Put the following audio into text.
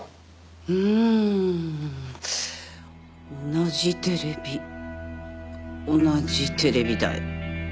同じテレビ同じテレビ台。